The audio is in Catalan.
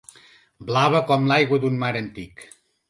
Blava com l’aigua d’un mar antic.